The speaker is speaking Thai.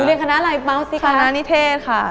คุณเรียนคณะอะไรมัวสิคะคณะนิเทศค่ะ